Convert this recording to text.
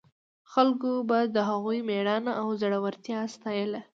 خلکو به د هغوی مېړانه او زړورتیا ستایله.